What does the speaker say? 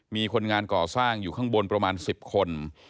มีคนงานก่อสร้างอยู่ข้างบนประมาณ๑๐คน